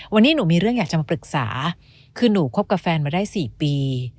วันนี้หนูมีเรื่องอยากจะมาปรึกษาคือหนูคบกับแฟนมาได้๔ปี